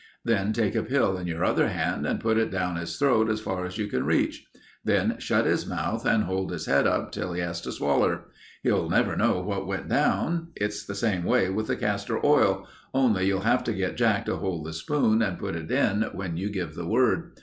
Then take a pill in your other hand and put it down his throat as far as you can reach. Then shut his mouth and hold his head up till he has to swaller. He'll never know what went down. It's the same way with the castor oil, only you'll have to get Jack to hold the spoon and put it in when you give the word.